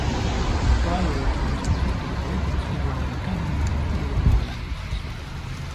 Prior to entering full-time politics he ran an academy of European languages.